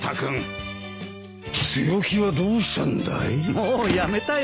もうやめたよ。